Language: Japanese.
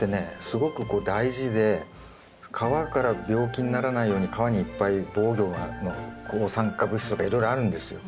すごくこう大事で皮から病気にならないように皮にいっぱい防御の抗酸化物質とかいろいろあるんですよ。